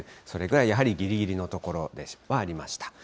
それぐらいやはりぎりぎりのところではありました。